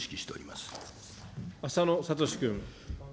浅野哲君。